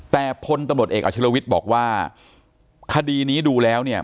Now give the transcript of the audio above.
แต่พลตำรวจเอกอาชิลวิทย์บอกว่าคดีนี้ดูแล้วเนี่ย